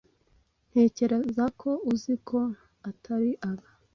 Ntekereza ko uzi ko atari aba.